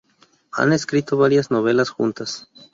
Han escrito varias novelas juntas.